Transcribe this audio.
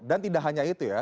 dan tidak hanya itu ya